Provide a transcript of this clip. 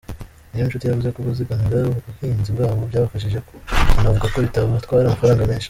Niyonshuti yavuze ko kuzigamira ubuhinzi bwabo byabafashije, anavuga ko bitabatwara amafaranga menshi.